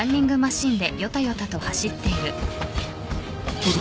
どうぞ。